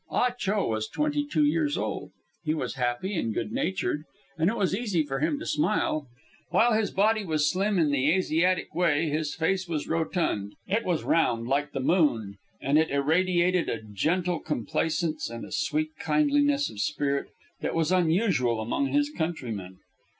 Ah Cho was twenty two years old. He was happy and good natured, and it was easy for him to smile. While his body was slim in the Asiatic way, his face was rotund. It was round, like the moon, and it irradiated a gentle complacence and a sweet kindliness of spirit that was unusual among his countrymen.